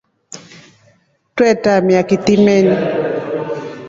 Twe tamia kitima.